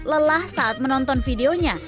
lelah saat menonton videonya